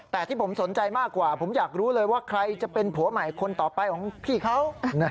แต่ที่ผมสนใจมากกว่าผมอยากรู้เลยว่าใครจะเป็นผัวใหม่คนต่อไปของพี่เขา